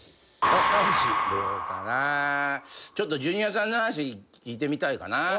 ちょっとジュニアさんの話聞いてみたいかな。